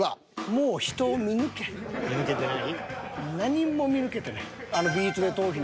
もう見抜けてない？